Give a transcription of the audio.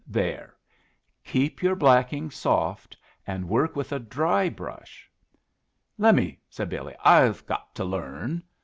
There. Keep your blacking soft, and work with a dry brush." "Lemme," said Billy. "I've got to learn."